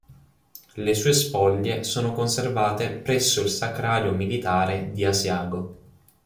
Le sue spoglie sono conservate presso il Sacrario militare di Asiago.